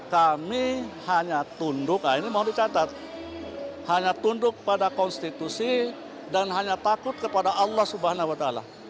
kami hanya tunduk nah ini mau dicatat hanya tunduk pada konstitusi dan hanya takut kepada allah swt